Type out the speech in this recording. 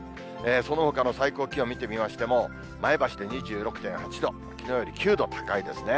そのほかの最高気温見てみましても、前橋で２６．８度、きのうより９度高いですね。